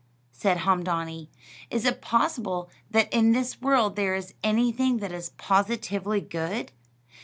said Haamdaanee. "Is it possible that in this world there is anything that is positively good?